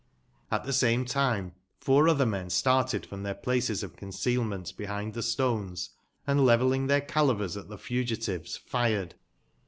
At tbe same time f our otbei: men started f rom tbeir places of con cealmcnt behind tbe stones, and, levelling tbeir calivers at tbe fugitives, fired.